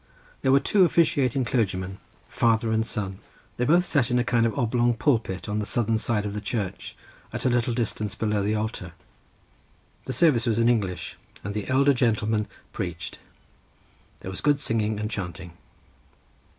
There were two officiating clergymen, father and son. They both sat in a kind of oblong pulpit on the southern side of the church, at a little distance below the altar. The service was in English, and the elder gentleman preached; there was good singing and chanting.